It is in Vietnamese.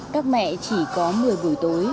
các mẹ chỉ có một mươi buổi tối